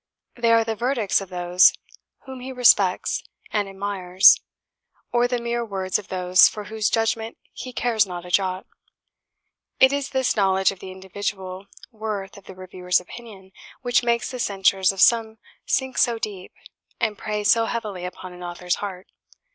They are the verdicts of those whom he respects and admires, or the mere words of those for whose judgment he cares not a jot. It is this knowledge of the individual worth of the reviewer's opinion, which makes the censures of some sink so deep, and prey so heavily upon an author's heart.